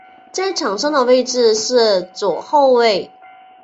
在场上的位置是左后卫。